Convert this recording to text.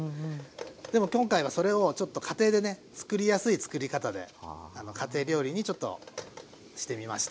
でも今回はそれをちょっと家庭でねつくりやすいつくり方で家庭料理にちょっとしてみました。